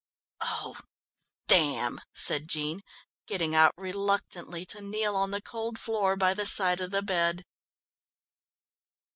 "Oh, damn!" said Jean, getting out reluctantly to kneel on the cold floor by the side of the bed.